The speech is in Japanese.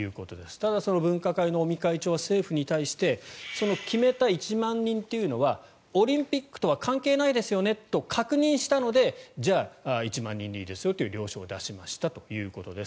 ただ、その分科会の尾身会長は政府に対してその決めた１万人というのはオリンピックとは関係ないですよねと確認したのでじゃあ１万人でいいですよと了承を出したということです。